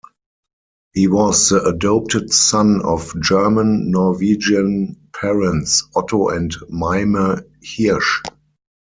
He was the adopted son of German-Norwegian parents, Otto and Mayme Hirsch.